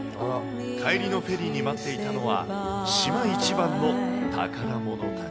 帰りのフェリーに待っていたのは、島一番の宝物たち。